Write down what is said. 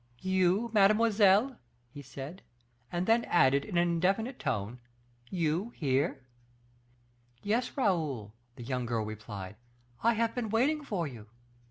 "You, mademoiselle?" he said; and then added, in an indefinable tone, "You here!" "Yes, Raoul," the young girl replied, "I have been waiting for you."